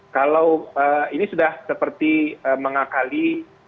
kalau ini sudah seperti mengakali